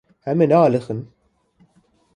Em ê nealiqin.